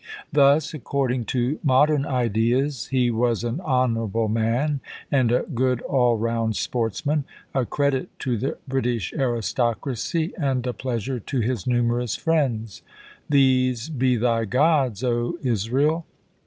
Thus, according to modern ideas, he was an honourable man and a good all round sportsman, a credit to the British aristocracy and a pleasure to his numerous friends. "These be thy gods, O Israel!"